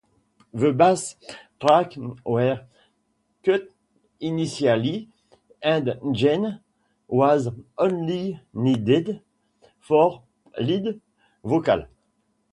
The bass tracks were cut initially, and Gene was only needed for lead vocals.